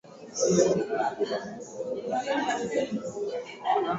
Mu telemuke ku mayi, kuko myuwa ya butamu